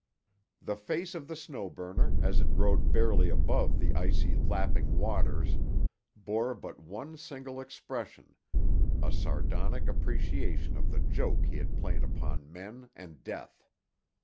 The face of the Snow Burner as it rode barely above the icy, lapping waters, bore but one single expression, a sardonic appreciation of the joke he had played upon men and Death.